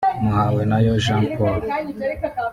Muhawenayo Jean Paul